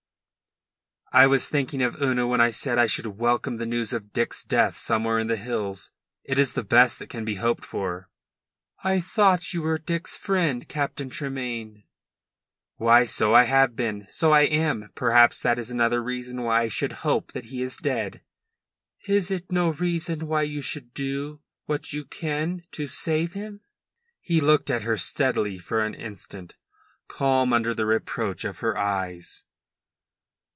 "I was thinking of Una when I said I should welcome the news of Dick's death somewhere in the hills. It is the best that can be hoped for." "I thought you were Dick's friend, Captain Tremayne." "Why, so I have been; so I am. Perhaps that is another reason why I should hope that he is dead." "Is it no reason why you should do what you can to save him?" He looked at her steadily for an instant, calm under the reproach of her eyes.